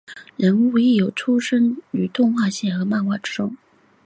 人物亦有出现于动画系列和漫画之中。